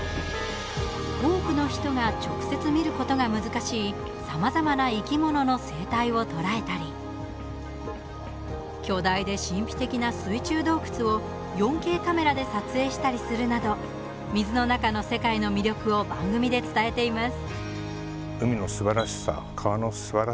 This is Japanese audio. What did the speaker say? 多くの人が直接、見ることが難しいさまざまな生き物の生態を捉えたり巨大で神秘的な水中洞窟を４Ｋカメラで撮影したりするなど水の中の世界の魅力を番組で伝えています。